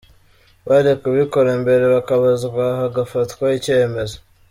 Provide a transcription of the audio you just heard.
Bari kubikora mbere, bakabazwa hagafatwa icyemezo.